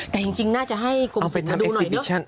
แต่จริงน่าจะให้กลุ่มศิลป์มาดูหน่อย